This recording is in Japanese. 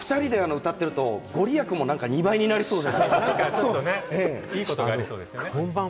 ２人で歌ってると御利益も２倍になりそうで。